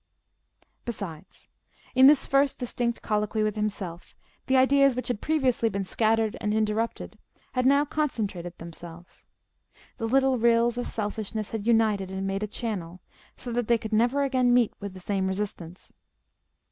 Besides, in this first distinct colloquy with himself the ideas which had previously been scattered and interrupted had now concentrated themselves; the little rills of selfishness had united and made a channel, so that they could never again meet with the same resistance.